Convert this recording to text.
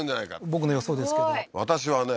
僕の予想ですけど私はね